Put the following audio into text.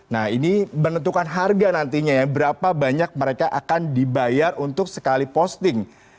nah ini menentukan harga nantinya ya berapa banyak mereka akan dibayar untuk sekali posting